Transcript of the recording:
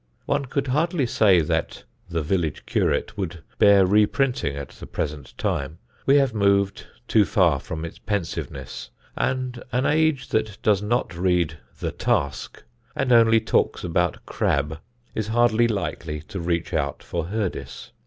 One could hardly say that "The Village Curate" would bear reprinting at the present time; we have moved too far from its pensiveness, and an age that does not read "The Task" and only talks about Crabbe is hardly likely to reach out for Hurdis.